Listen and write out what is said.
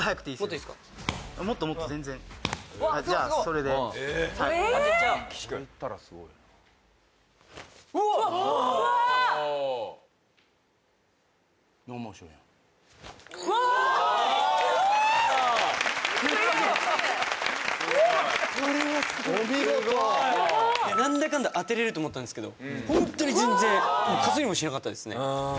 これはすごいお見事何だかんだ当てれると思ったんですけどホントに全然かすりもしなかったですね